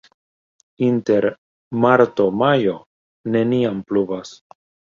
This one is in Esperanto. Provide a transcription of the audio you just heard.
Inter marto-majo neniam pluvas.